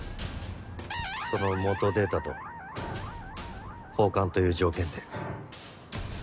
その元データと交換という条件で。